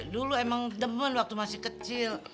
dulu emang temen waktu masih kecil